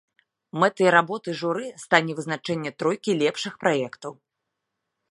Мэтай работы журы стане вызначэнне тройкі лепшых праектаў.